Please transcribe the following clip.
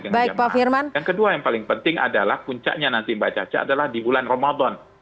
yang kedua yang paling penting adalah puncaknya nanti mbak caca adalah di bulan ramadan